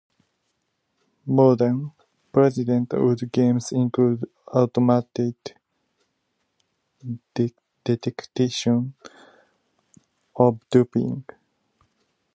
Modern persistent world games include automated detection of duping.